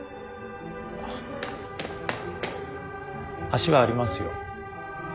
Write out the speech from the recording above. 足はありますよ。